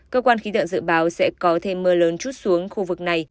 cơ quan khí tượng dự báo sẽ có thêm mưa lớn chút xuống khu vực này